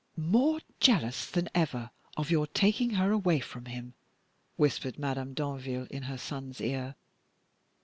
"More jealous than ever of your taking her away from him!" whispered Madame Danville in her son's ear.